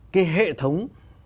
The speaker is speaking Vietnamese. cái hệ thống